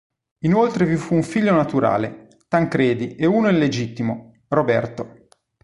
Inoltre vi fu un figlio naturale, Tancredi e uno illegittimo, Roberto.